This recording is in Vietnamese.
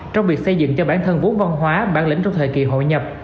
trong việc xây dựng cho bản thân vốn văn hóa bản lĩnh trong thời kỳ hội nhập